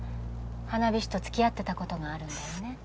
花火師とつきあってたことがあるんだよね？